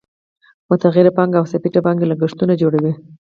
متغیره پانګه او ثابته پانګه لګښتونه جوړوي